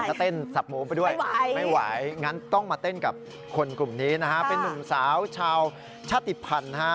ก็เต้นสับหมูไปด้วยไม่ไหวงั้นต้องมาเต้นกับคนกลุ่มนี้นะฮะเป็นนุ่มสาวชาวชาติภัณฑ์นะฮะ